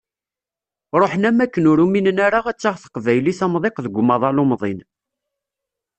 Ṛuḥen am wakken ur uminen ara ad taɣ teqbaylit amdiq deg umaḍal umḍin.